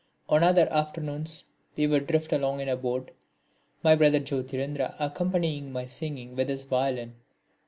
On other afternoons, we would drift along in a boat, my brother Jyotirindra accompanying my singing with his violin.